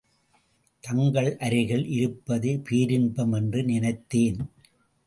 தங்கள் அருகில் இருப்பதே பேரின்பம் என்று நினைத்தேன்.